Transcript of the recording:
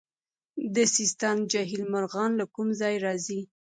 د سیستان جهیل مرغان له کوم ځای راځي؟